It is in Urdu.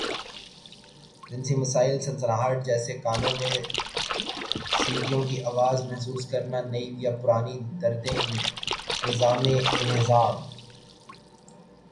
جنسی مسائل سنسناہٹ جیسے کانوں میں سیٹیوں کی آواز محسوس کرنا نئی یا پرانی دردیں نظام انہضام